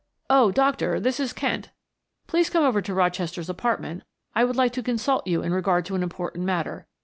"Oh, doctor, this is Kent. Please come over to Rochester's apartment; I would like to consult you in regard to an important matter.